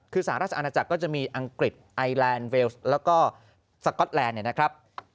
คือสหราชอาณาจักรก็จะมีอังกฤษไอแลนด์เวลส์แล้วก็สก๊อตแลนด์เนี่ยนะครับ